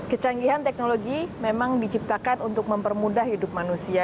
kecanggihan teknologi memang diciptakan untuk mempermudah hidup manusia